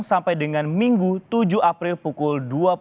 sampai dengan minggu tujuh april pukul dua puluh